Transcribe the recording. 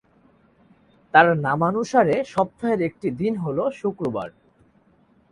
তার নামানুসারে সপ্তাহের একটি দিন হল শুক্রবার।